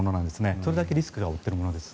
それだけリスクを負っているものです。